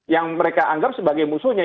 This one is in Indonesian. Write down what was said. yang mereka anggap sebagai musuhnya